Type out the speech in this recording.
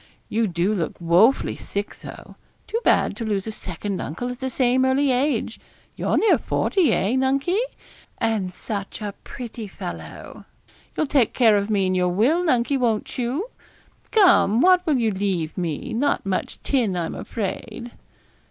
You do look wofully sick though; too bad to lose a second uncle at the same early age. You're near forty, eh, Nunkie? and such a pretty fellow! You'll take care of me in your will, Nunkie, won't you? Come, what will you leave me; not much tin, I'm afraid.'